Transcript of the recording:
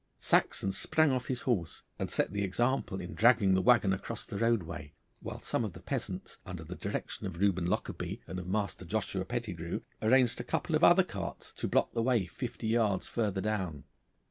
Saxon sprang off his horse and set the example in dragging the waggon across the roadway, while some of the peasants, under the direction of Reuben Lockarby and of Master Joshua Pettigrue, arranged a couple of other carts to block the way fifty yards further down.